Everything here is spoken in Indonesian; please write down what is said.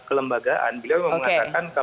bila mengatakan kalau seorang ketua umum